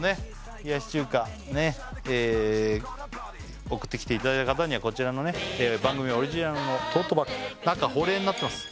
冷やし中華ね送ってきていただいた方にはこちらのね番組オリジナルのトートバッグ中保冷になってます